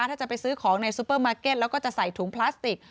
ถ้าจะไปซื้อของในซูเปอร์มาร์เก็ตแล้วก็จะใส่ถุงพลาสติก